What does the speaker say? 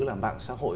là mạng xã hội